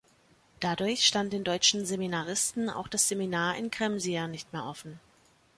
Dadurch stand den deutschen Seminaristen auch das Seminar in Kremsier nicht mehr offen.